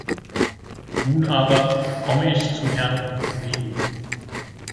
Nun aber komme ich zu Herrn Coelho.